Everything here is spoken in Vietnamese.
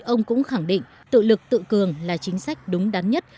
ông cũng khẳng định tự lực tự cường là chính sách đúng đắn nhất